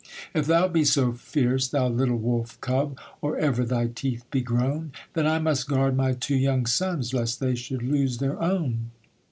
'If thou be so fierce, thou little wolf cub Or ever thy teeth be grown; Then I must guard my two young sons Lest they should lose their own.'